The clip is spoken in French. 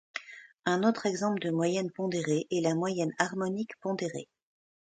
Un autre exemple de moyenne pondérée est la moyenne harmonique pondérée.